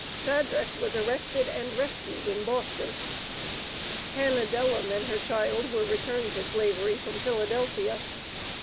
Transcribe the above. Shadrach was arrested and rescued in Boston. Hannah Dellum and her child were returned to Slavery from Philadelphia.